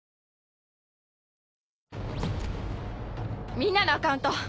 みんなのアカウント